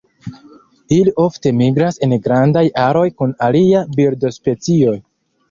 Ili ofte migras en grandaj aroj kun aliaj birdospecioj.